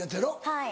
はい。